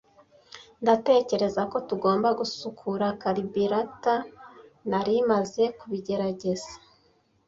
"Ndatekereza ko tugomba gusukura karburetor." "Nari maze kubigerageza."